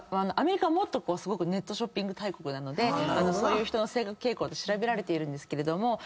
アメリカはもっとネットショッピング大国なのでそういう人の性格傾向って調べられているんですけれども。